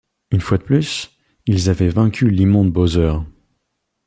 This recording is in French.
Une fois de plus, ils avaient vaincu l'immonde Bowser.